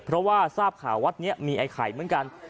เพราะว่าทราบข่าววัดนี้มีไอ้ไข่เหมือนกัน